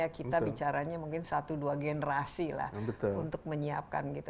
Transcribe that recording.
kita bicaranya mungkin satu dua generasi untuk menyiapkan